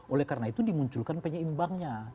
oleh karena itu dimunculkan penyeimbangnya